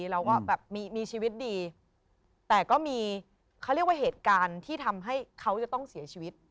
เราไปเป็นเมียเด็กเขาแล้วเนี้ย